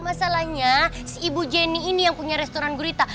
masalahnya si ibu jenny ini yang punya restoran gurita